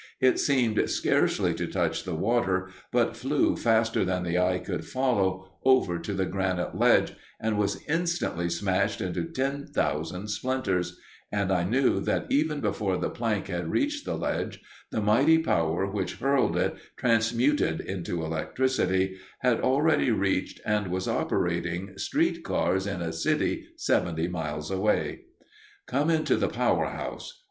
It seemed scarcely to touch the water, but flew, faster than the eye could follow, over to the granite ledge and was instantly smashed into ten thousand splinters, and I knew that even before the plank had reached the ledge, the mighty power which hurled it, transmuted into electricity, had already reached, and was operating, street cars in a city seventy miles away. Come into the power house.